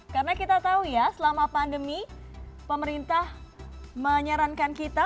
karena kita tahu ya selama pandemi pemerintah menyarankan kita